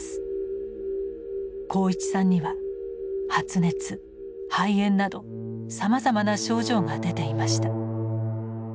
鋼一さんには発熱肺炎などさまざまな症状が出ていました。